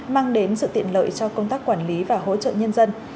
mang đến sự tiện lợi cho công tác quản lý và hỗ trợ nhân dân